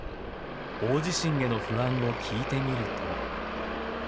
大地震への不安を聞いてみると。